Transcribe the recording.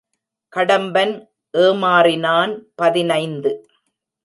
கடம்பன் ஏமாறினான் பதினைந்து.